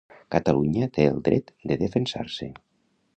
Catalunya té el dret de defensar-se.